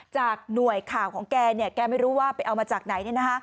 จากหน่วยข่าวของแกแกไม่รู้ว่าไปเอามาจากไหน